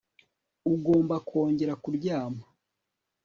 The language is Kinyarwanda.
Ugomba kongera kuryama